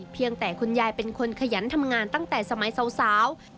เพียงแต่คุณยายเป็นคนขยันทำงานตั้งแต่สมัยสาว